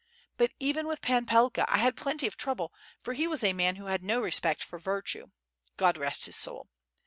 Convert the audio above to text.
But even with Pan Pelka, I had plenty of trouble, for he was a man who had no respect for virtue God rest his soul!